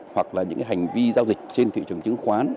hoặc là những hành vi giao dịch trên thị trường chứng khoán